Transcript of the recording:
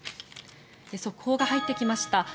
速報が入ってきました。